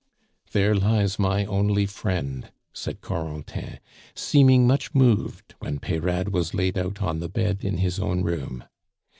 "There lies my only friend!" said Corentin, seeming much moved when Peyrade was laid out on the bed in his own room.